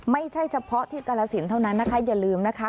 ไม่ใช่เฉพาะที่กรสินเท่านั้นนะคะอย่าลืมนะคะ